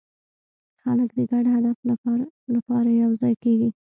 خلک د ګډ هدف لپاره یوځای کېږي.